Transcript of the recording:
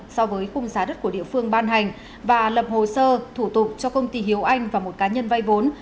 so với khung giá đất của địa phương ban hành và lập hồ sơ thủ tục cho công ty hiếu anh và một cá nhân vay vốn